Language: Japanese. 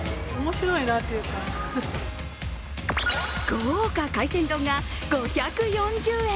豪華海鮮丼が５４０円。